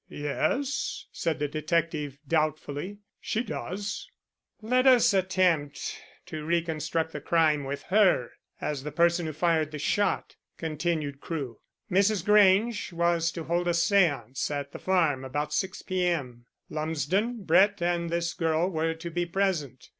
"Yes," said the detective doubtfully. "She does." "Let us attempt to reconstruct the crime with her as the person who fired the shot," continued Crewe. "Mrs. Grange was to hold a séance at the farmhouse about 6 p. m. Lumsden, Brett and this girl were to be present.